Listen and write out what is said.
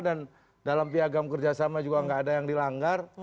dan dalam piagam kerjasama juga enggak ada yang dilanggar